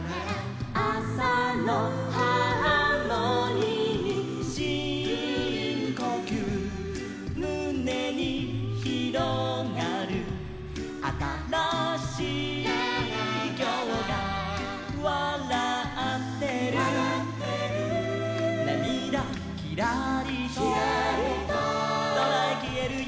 「あさのハーモニー」「しんこきゅうむねにひろがる」「あたらしいきょうがわらってる」「」「なみだキラリと」「」「そらへきえるよ」